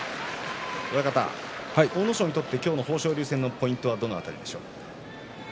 阿武咲にとって今日の豊昇龍戦のポイントはどこですか。